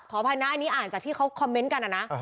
อภัยนะอันนี้อ่านจากที่เขาคอมเมนต์กันนะ